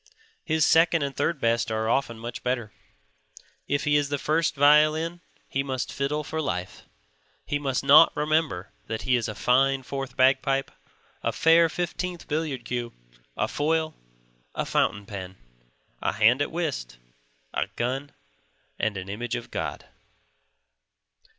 His second and third best are often much better. If he is the first violin he must fiddle for life; he must not remember that he is a fine fourth bagpipe, a fair fifteenth billiard cue, a foil, a fountain pen, a hand at whist, a gun, and an image of God.